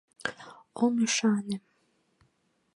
— Ом ӱшане!